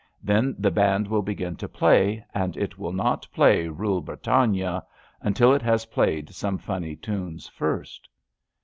Then the band will begin to play, and it will not play Rule Britannia until it has played some funny tunes first.